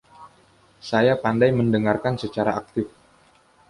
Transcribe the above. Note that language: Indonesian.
Saya pandai mendengarkan secara aktif.